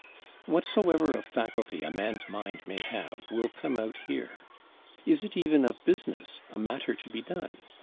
Whatsoever of faculty a man's mind may have will come out here. Is it even of business, a matter to be done?